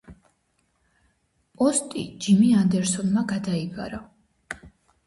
პოსტი ჯიმი ანდერსონმა გადაიბარა.